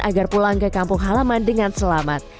agar pulang ke kampung halaman dengan selamat